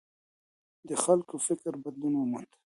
د خلګو فکر بدلون وموند.